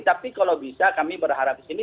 tapi kalau bisa kami berharap disini